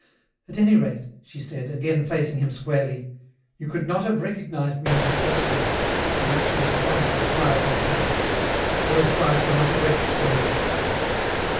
"At any rate," she said, again facing him squarely, "you could not have recognized me in the first letters, to which you responded with cries of passion. Those cries were not addressed to me."